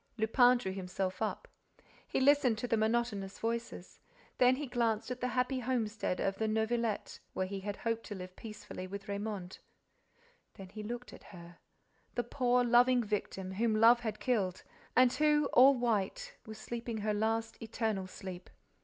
Lupin drew himself up. He listened to the monotonous voices. Then he glanced at the happy homestead of the Neuvillette, where he had hoped to live peacefully with Raymonde. Then he looked at her, the poor, loving victim, whom love had killed and who, all white, was sleeping her last, eternal sleep.